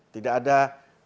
tidak ada sekat